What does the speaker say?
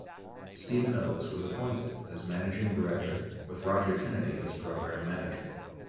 Stephen Oates was appointed as Managing Director, with Roger Kennedy as Programme Manager.